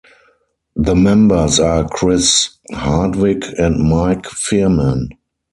The members are Chris Hardwick and Mike Phirman.